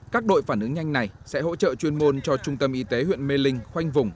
các đội phản ứng nhanh này sẽ hỗ trợ chuyên môn cho trung tâm y tế huyện mê linh khoanh vùng